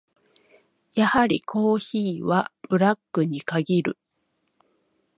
やはりコーヒーはブラックに限る。